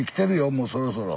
もうそろそろ。